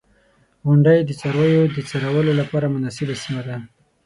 • غونډۍ د څارویو د څرولو لپاره مناسبه سیمه ده.